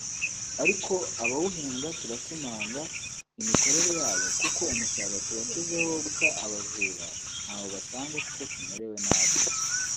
Ariko abawuhembwa turakemanga imikorere yabo kuko umusaruro tubatezeho wo guca abajura ntawo batanga kuko tumerewe nabi